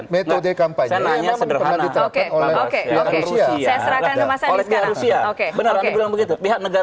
sudah dijawab dari kedutaan besar rusia dan itu sudah clear